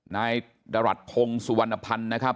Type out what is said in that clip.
นายดรัฐพงศ์สุวรรณภัณฑ์นะครับ